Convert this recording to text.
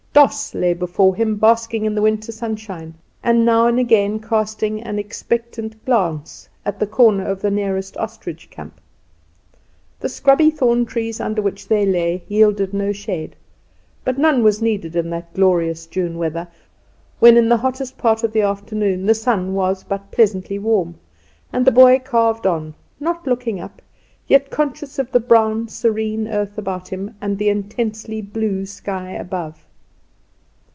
Doss lay before him basking in the winter sunshine, and now and again casting an expectant glance at the corner of the nearest ostrich camp. The scrubby thorn trees under which they lay yielded no shade, but none was needed in that glorious June weather, when in the hottest part of the afternoon the sun was but pleasantly warm; and the boy carved on, not looking up, yet conscious of the brown serene earth about him and the intensely blue sky above.